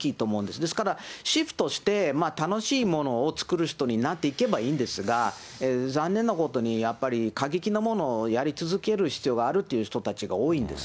ですからシフトして、楽しいものを作る人になっていけばいいんですが、残念なことにやっぱり、過激なものをやり続ける必要があるという人たちが多いんです。